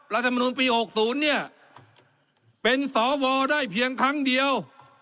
รัฐมนุนปี๖๐เนี่ยเป็นสวได้เพียงครั้งเดียว